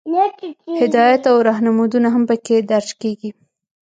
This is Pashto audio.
هدایات او رهنمودونه هم پکې درج کیږي.